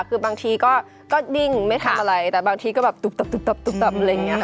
คือบางทีก็ดิ้งไม่ทำอะไรแต่บางทีก็แบบตุ๊บตับอะไรอย่างนี้